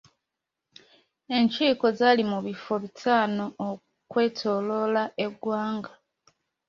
Enkiiko zaali mu bifo bitaano okwetooloola eggwanga.